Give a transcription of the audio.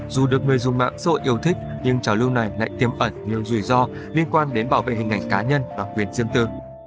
dù được người dùng mạng xã hội yêu thích nhưng trào lưu này lại tiêm ẩn nhiều rủi ro liên quan đến bảo vệ hình ảnh cá nhân và quyền riêng tư